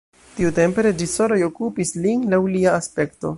Tiutempe reĝisoroj okupis lin laŭ lia aspekto.